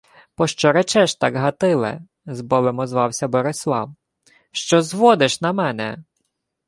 — Пощо речеш так, Гатиле? — з болем озвався Борислав. — Що зводиш на мене?..